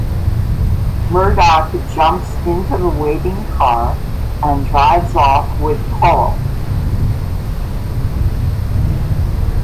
Murdock jumps into the waiting car and drives off with Coral.